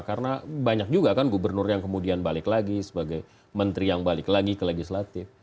karena banyak juga kan gubernur yang kemudian balik lagi sebagai menteri yang balik lagi ke legislatif